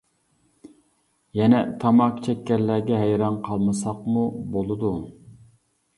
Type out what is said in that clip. يەنە تاماكا چەككەنلەرگە ھەيران قالمىساقمۇ بولىدۇ.